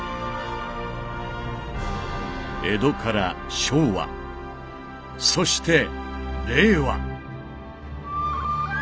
江戸から昭和そして令和。